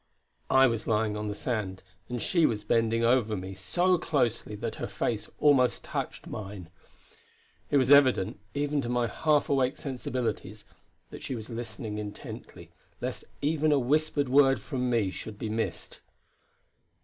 I was lying on the sand, and she was bending over me so closely that her face almost touched mine. It was evident, even to my half awake sensibilities, that she was listening intently, lest even a whispered word from me should be missed.